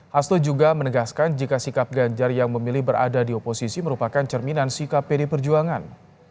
hasto juga menegaskan jika sikap ganjar yang memilih berada di oposisi merupakan cerminan sikap pdi perjuangan